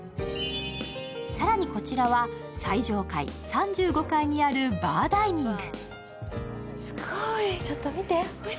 更にこちらは、最上階３５階にあるバーダイニング。